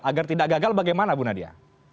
agar tidak gagal bagaimana bu nadia